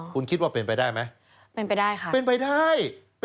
คุณคิดว่าเป็นไปได้มั้ย